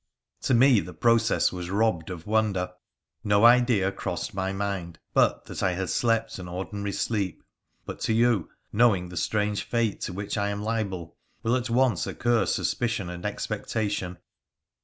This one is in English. To me the process was robbed of wonder — no idea crossed my mind but that I had slept an ordinary sleep ; but to you, knowing the strange fate to which I am liable, will at once occur suspicion and ex pectation.